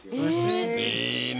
牛いいね